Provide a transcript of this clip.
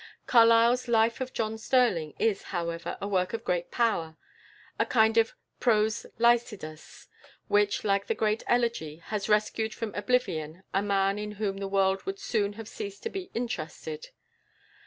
Carlyle's "Life of John Sterling" is, however, a work of great power, a kind of prose "Lycidas," which, like that great elegy, has rescued from oblivion a man in whom the world would soon have ceased to be interested.